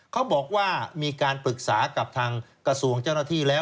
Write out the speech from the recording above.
เขาบอกว่ามีการปรึกษากับทางกระทรวงเจ้าหน้าที่แล้ว